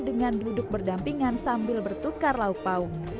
dengan duduk berdampingan sambil bertukar lauk pauk